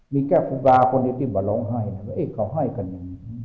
มีแก่ภูบาคนอาจารย์ร้องไห้ว่าเอ๊ะเขาให้กันนี้